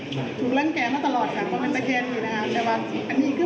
มันมาถ่ายเห็นพอดีกับตอนนี้ฉัน